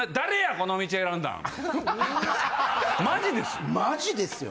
・うわ・マジですよ。